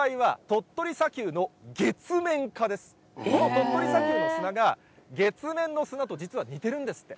鳥取砂丘の砂が月面の砂と実は似てるんですって。